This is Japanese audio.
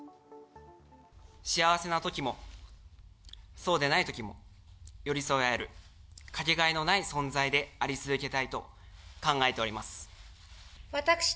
幸せなときもそうでないときも寄り添い合える、掛けがえのない存在であり続けたいと考えております。